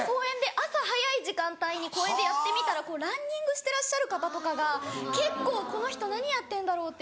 朝早い時間帯に公園でやってみたらランニングしてらっしゃる方とかが結構「この人何やってんだろう」っていう目で。